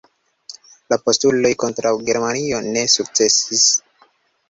La postuloj kontraŭ Germanio ne sukcesis.